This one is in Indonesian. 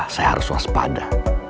saya harus waspada